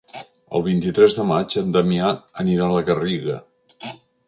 El vint-i-tres de maig en Damià anirà a la Garriga.